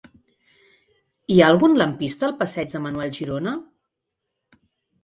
Hi ha algun lampista al passeig de Manuel Girona?